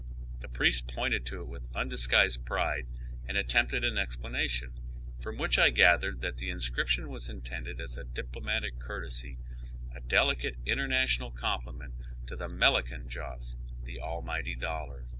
The priest pointed to it with undisguised pride and attempted an explanation, from which I gatli ered that the inscription was intended as a diplomatic courtesy, a delicate international compliment to the " Mel jean Joss," the almighty dollar.